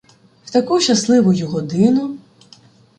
В таку щасливую годину